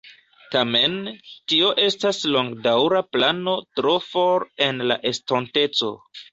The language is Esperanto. Tamen, tio estas longdaŭra plano tro for en la estonteco.